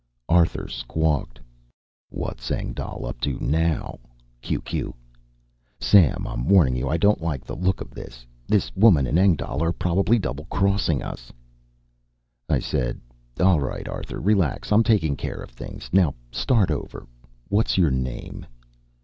Arthur squawked: WHATS ENGDAHL UP TO NOW Q Q SAM IM WARNING YOU I DONT LIKE THE LOOK OF THIS THIS WOMAN AND ENGDAHL ARE PROBABLY DOUBLECROSSING US I said: "All right, Arthur, relax. I'm taking care of things. Now start over, you. What's your name?"